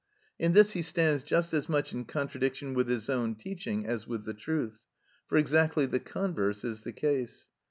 In this he stands just as much in contradiction with his own teaching as with the truth, for exactly the converse is the case.